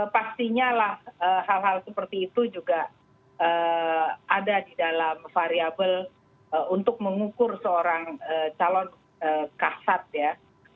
pastinya lah hal hal seperti itu juga ada di dalam variable untuk mengukur seorang calon kasat ya